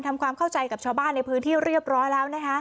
ทำความเข้าใจกับชาวบ้านในพื้นที่เรียบร้อยแล้วนะคะ